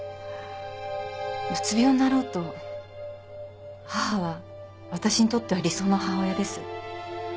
うつ病になろうと母はわたしにとっては理想の母親です。